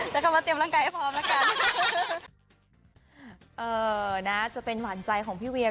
ใช้คำว่าเตรียมร่างกายให้พร้อมแล้วกันเออนะจะเป็นหวานใจของพี่เวีย